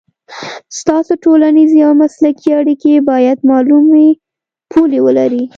ستاسو ټولنیزې او مسلکي اړیکې باید معلومې پولې ولري.